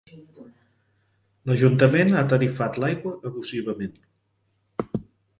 L'Ajuntament ha tarifat l'aigua abusivament.